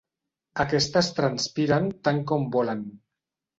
Aquestes transpiren tant com volen.